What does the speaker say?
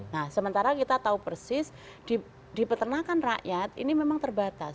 nah sementara kita tahu persis di peternakan rakyat ini memang terbatas